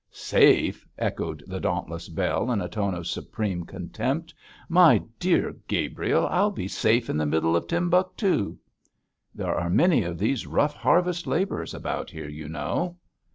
'Safe!' echoed the dauntless Bell, in a tone of supreme contempt. 'My dear Gabriel, I'd be safe in the middle of Timbuctoo!' 'There are many of these rough harvest labourers about here, you know.'